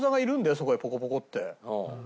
そこにポコポコって。